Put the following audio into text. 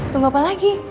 tunggu apa lagi